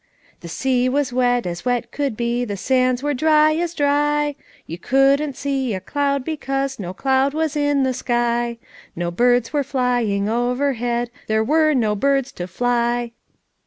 " 'The sea was wet as wet could be! The sands were dry as dry ! Tou couldn't see a cloud! because No cloud was in the sky. No birds were flying overhead — There were no birds to fly!'